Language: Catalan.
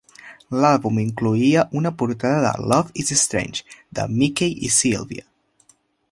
L'àlbum incloïa una portada del "Love Is Strange" de Mickey i Sylvia.